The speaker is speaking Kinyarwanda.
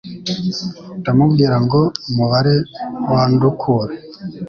ndamubwira ngo mubare Wandukure